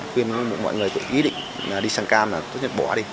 khuyên mọi người cũng ý định đi sang cam là tốt nhất bỏ đi